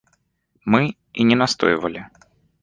Мы і не настойвалі.